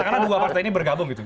karena dua partai ini bergabung gitu